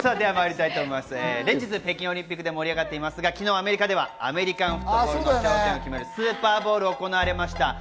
連日、北京オリンピックで盛り上がっていますが、昨日アメリカではアメリカンフットボールのスーパーボウルが行われました。